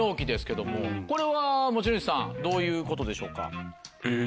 これは持ち主さんどういうことでしょうか？